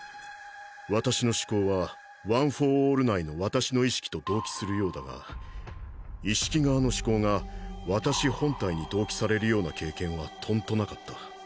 私の思考はワン・フォー・オール内の私の意識と同期するようだが意識側の思考が私本体に同期されるような経験はとんと無かった。